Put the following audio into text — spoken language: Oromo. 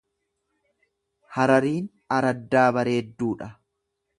Harariin araddaa bareedduu dha.